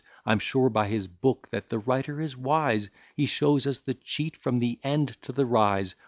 I'm sure, by his book, that the writer is wise: He shows us the cheat, from the end to the rise.